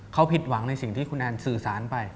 เขาผิดหวังในสิ่งที่คุณแอนสื่อสารไป